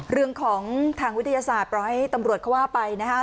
เรื่องของทางวิทยาศาสตร์ปล่อยให้ตำรวจเขาว่าไปนะคะ